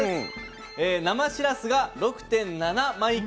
生しらすが６．７μｇ。